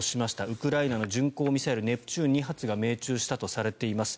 ウクライナの巡航ミサイルネプチューン２発が命中したとしています。